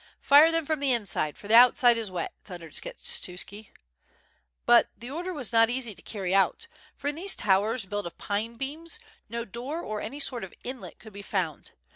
"Fire them from the inside, for the outside is wet," thun dered Skshetuski. But the order was not easy to carry out; for in these towers built of pine beams, no door or any sort of inlet could be found.